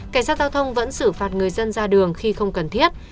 cảnh sát giao thông vẫn xử phạt người dân ra đường khi không cần thiết